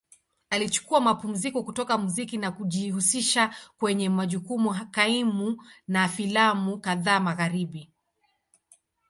Alichukua mapumziko kutoka muziki na kujihusisha kwenye majukumu kaimu na filamu kadhaa Magharibi.